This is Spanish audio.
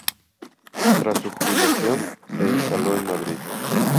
Tras su jubilación se instaló en Madrid.